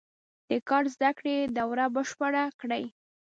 د کار زده کړې دوره بشپړه کړي.